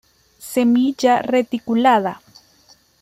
Semilla reticulada.